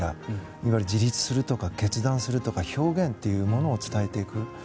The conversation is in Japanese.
いわゆる自立するとか決断するとか表現というものを伝えていく。